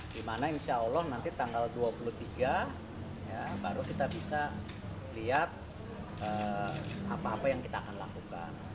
dimana insya allah nanti tanggal dua puluh tiga baru kita bisa lihat apa apa yang kita akan lakukan